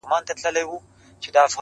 یوه شپه دي پر مزار باندي بلېږي-